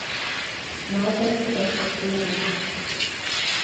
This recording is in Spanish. Madden respectivamente.